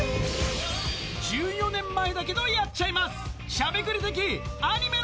１４年前だけどやっちゃいます！